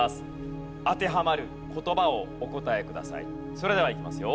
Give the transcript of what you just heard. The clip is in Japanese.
それではいきますよ。